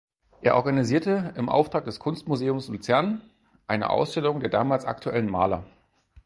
Er organisierte im Auftrag des Kunstmuseums Luzern eine Ausstellung der damals aktuellen Maler.